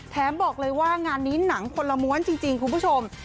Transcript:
บอกเลยว่างานนี้หนังคนละม้วนจริงคุณผู้ชม